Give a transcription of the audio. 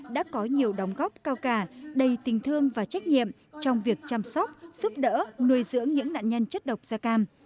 đã có nhiều đóng góp cao cả đầy tình thương và trách nhiệm trong việc chăm sóc giúp đỡ nuôi dưỡng những nạn nhân chất độc da cam